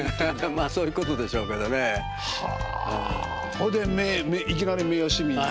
ほいでいきなり名誉市民に？